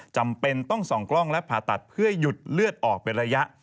จำเป็นต้องส่องกล้องและผ่าตัดเพื่อหยุดเลือดออกเป็นระยะ